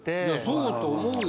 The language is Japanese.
そうと思うよ。